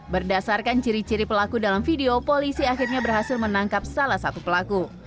berdasarkan ciri ciri pelaku dalam video polisi akhirnya berhasil menangkap salah satu pelaku